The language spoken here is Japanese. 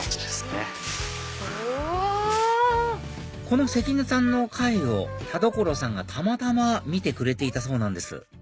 この関根さんの回を田所さんがたまたま見てくれていたそうなんです